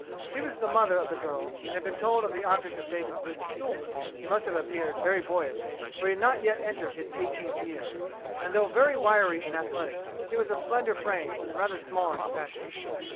She was the mother of the girl, and had been told of the object of David's visit. He must have appeared very boyish, for he had not yet entered his eighteenth year, and though very wiry and athletic, he was of slender frame, and rather small in stature.